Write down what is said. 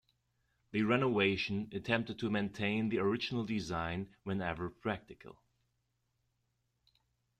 The renovation attempted to maintain the original design whenever practical.